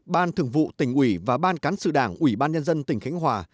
ban thường vụ tỉnh ủy và ban cán sự đảng ủy ban nhân dân tỉnh khánh hòa